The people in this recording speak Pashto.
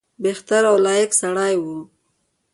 بهتر او لایق سړی وو.